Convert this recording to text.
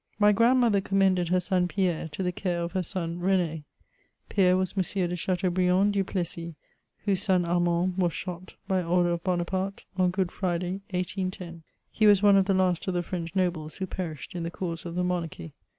My grandmother commended her son Pierre to the care of her son Ren^. Pierre was M . de Chateaubriand du Plessis» whose son Armand was shot, by order of Bohaparte^ on Good Friday, 1810. He was one of the last of the French nobles who perished jin the cause of the Monarchy.'